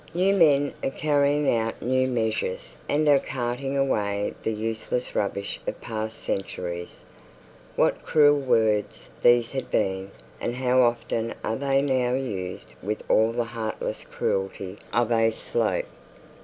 'New men are carrying out new measures, and are eating away the useless rubbish of past centuries.' What cruel words these had been; and how often are they now used with all the heartless cruelty of a Slope!